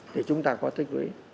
thì chúng ta có tích lũy